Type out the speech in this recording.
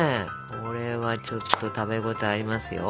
これはちょっと食べ応えありますよ。